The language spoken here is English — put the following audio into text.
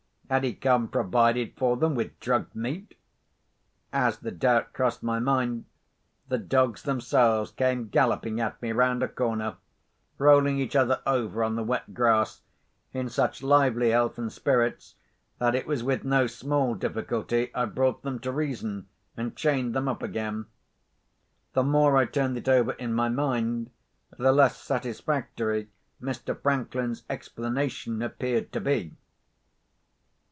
Had he come provided for them with drugged meat? As the doubt crossed my mind, the dogs themselves came galloping at me round a corner, rolling each other over on the wet grass, in such lively health and spirits that it was with no small difficulty I brought them to reason, and chained them up again. The more I turned it over in my mind, the less satisfactory Mr. Franklin's explanation appeared to be.